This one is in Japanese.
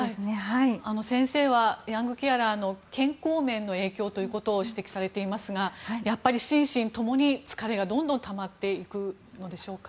先生は、ヤングケアラーの健康面の影響ということを指摘されていますがやっぱり心身ともに疲れがどんどんたまっていくのでしょうか。